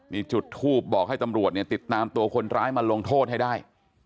มีจุดทูบบอกให้ตำรวจเนี่ยติดตามตัวคนร้ายมาลงโทษให้ได้